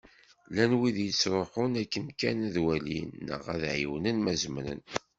Llan wid yettruḥun akken kan ad walin, neɣ ad ɛiwnen ma zemren.